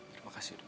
terima kasih dok